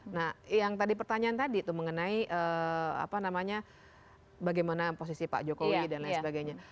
nah yang tadi pertanyaan tadi tuh mengenai apa namanya bagaimana posisi pak jokowi dan lain sebagainya